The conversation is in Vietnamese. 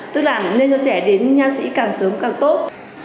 tức là nên cho trẻ đến nhạc sĩ càng sớm càng tốt